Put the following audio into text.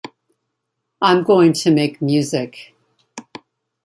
I'm going to make music.